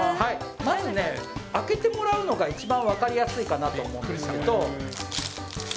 まずね、開けてもらうのが一番分かりやすいかなと思うんですけど。